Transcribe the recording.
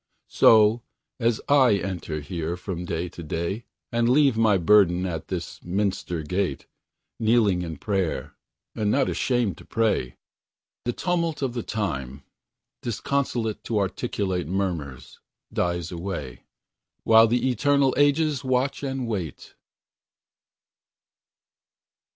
So, as I enter here from day to day, And leave my burden at this minster gate, Kneeling in prayer, and not ashamed to pray, The tumult of the time disconsolate To inarticulate murmurs dies away, While the eternal ages watch and wait.